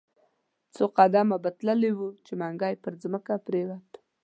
څو قدمه به تللی وو، چې منګی پر مځکه پریووت.